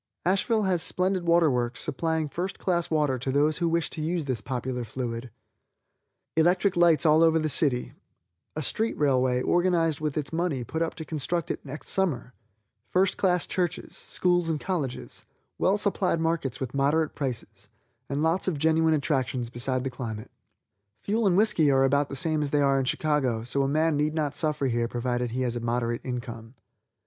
Asheville has splendid water works supplying first class water to those who wish to use this popular fluid; electric lights all over the city, a street railway organized with its money put up to construct it next summer, first class churches, schools and colleges, well supplied markets with moderate prices, and lots of genuine attractions beside the climate. Fuel and whiskey are about the same that they are in Chicago, so a man need not suffer here provided he has a moderate income.